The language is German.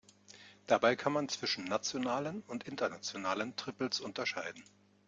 Dabei kann man zwischen nationalen und internationalen Triples unterscheiden.